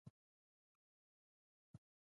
د افغانستان وچې میوې صادرېدې